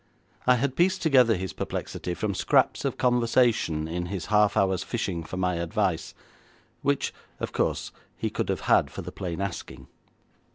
I had pieced together his perplexity from scraps of conversation in his half hour's fishing for my advice, which, of course, he could have had for the plain asking.